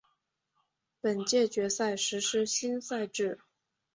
本届决赛实施新赛制。